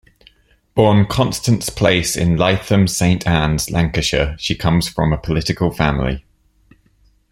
Born Constance Place in Lytham Saint Annes, Lancashire, she comes from a political family.